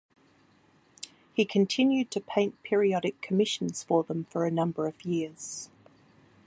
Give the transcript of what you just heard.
He continued to paint periodic commissions for them for a number of years.